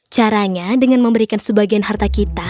caranya dengan memberikan sebagian harta kita